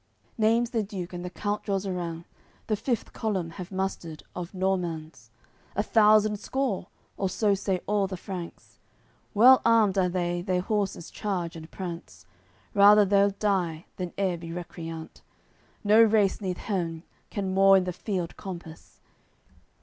AOI. CCXX Naimes the Duke and the count Jozerans The fifth column have mustered, of Normans, A thousand score, or so say all the Franks; Well armed are they, their horses charge and prance; Rather they'ld die, than eer be recreant; No race neath heav'n can more in th'field compass.